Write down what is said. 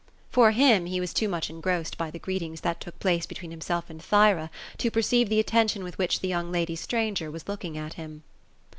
For him, he was too much engrossed by the greetings that took place between himself and Thyra, to perceive the attention with which the young lady stranger was looking at him.